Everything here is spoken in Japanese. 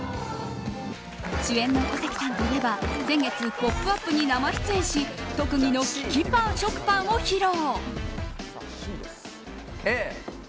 主演の小関さんといえば先月「ポップＵＰ！」に生出演し特技の利き食パンを披露。